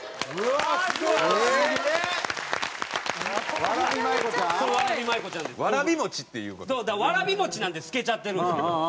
わらび餅なんで透けちゃってるんですよ。